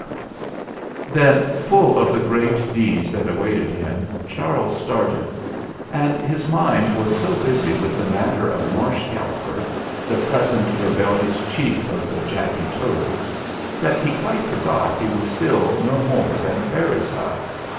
THE ZAGABOG'S MESSAGE 201 Then, full of the great deeds that awaited him, Charles started, and his mind was so busy with the matter of Marsh Galloper, the present rebellious Chief of the Jacky Toads, that he quite forgot he was still no more than fairy size.